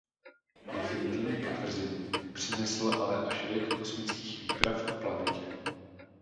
Definitivní potvrzení přinesl ale až věk kosmických výprav k planetě.